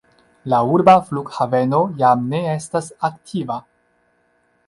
La urba flughaveno jam ne estas aktiva.